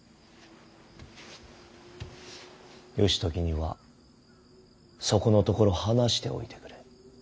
義時にはそこのところ話しておいてくれ。